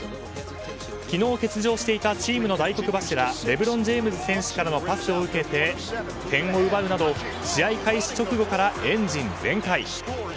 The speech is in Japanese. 昨日、欠場していたチームの大黒柱レブロン・ジェームズ選手からのパスを受けて、点を奪うなど試合開始直後からエンジン全開。